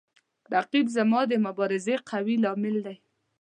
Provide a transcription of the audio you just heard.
رقیب زما د مبارزې قوي لامل دی